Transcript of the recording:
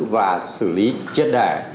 và xử lý chiết đẻ